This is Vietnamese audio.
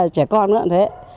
trẻ con nữa cũng thế